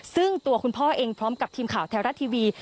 ซึ่งตัวคุณพ่อเองพร้อมกับทีมข่าวแท้รัฐทีวี